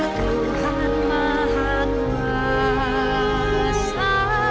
di sana tempat lahir betah